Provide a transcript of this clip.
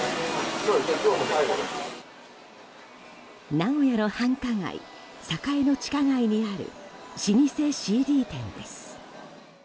名古屋の繁華街・栄の地下街にある老舗ＣＤ店です。